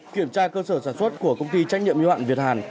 kiểm tra cơ sở sản xuất của công ty trách nhiệm y hoạn việt hàn